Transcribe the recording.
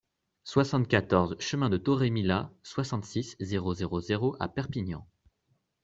soixante-quatorze chemin de Torremila, soixante-six, zéro zéro zéro à Perpignan